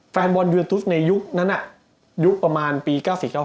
แฟนบอลยูทูสในยุคนั้นยุคประมาณปี๙๔๙๕